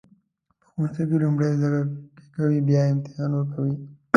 په ښوونځي کې لومړی زده کوئ بیا امتحان ورکوئ.